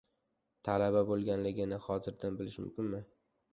Talaba bo‘lganligini hozirdan bilish mumkinmi?